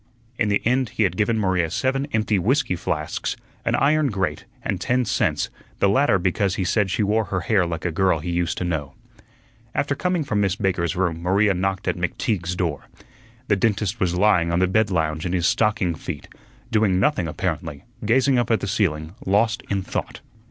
In the end he had given Maria seven empty whiskey flasks, an iron grate, and ten cents the latter because he said she wore her hair like a girl he used to know. After coming from Miss Baker's room Maria knocked at McTeague's door. The dentist was lying on the bed lounge in his stocking feet, doing nothing apparently, gazing up at the ceiling, lost in thought.